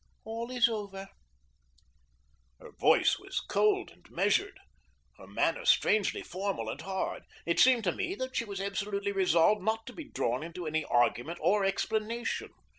All is over:" Her voice was cold and measured; her manner strangely formal and hard. It seemed to me that she was absolutely resolved not to be drawn into any argument or explanation.